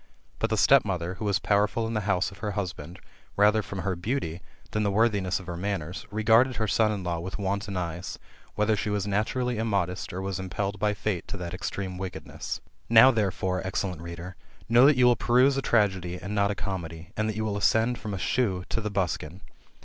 But the stepmother, who was powerful in the house of her husband, mther from her beauty, than the worthiness of her manners, regarded her son in law with wanton eyes, whether she was naturally immodest, or was impelled by Fate to that extreme wickedness. Now, therefore, excellent reader, know that you will peruse a tragedy, and not a comedy, and that you will ascend from the shoe to the buskin.'